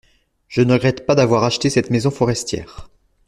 Je ne regrette pas d’avoir acheté cette maison forestière.